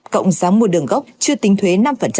cộng giá mua đường gốc chưa tính thuế năm